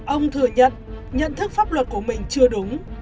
ông thừa nhận nhận thức pháp luật của mình chưa đúng